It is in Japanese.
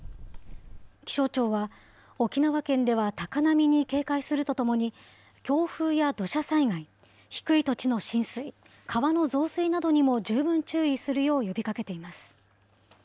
気象庁は、沖縄県では高波に警戒するとともに、強風や土砂災害、低い土地の浸水、川の増水などにも十分注意するよう呼びかけています。